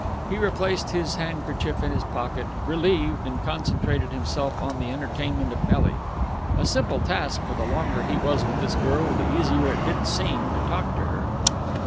He replaced his handkerchief in his pocket, relieved, and concentrated himself on the entertainment of Nelly. A simple task for the longer he was with this girl, the easier did it seem, to talk to her.